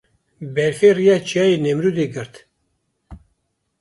Berfê rêya Çiyayê Nemrûdê girt.